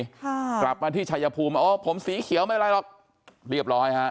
ค่ะกลับมาที่ชายภูมิอ๋อผมสีเขียวไม่อะไรหรอกเรียบร้อยฮะ